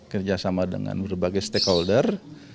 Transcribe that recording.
kerjasama dengan berbagai stakeholder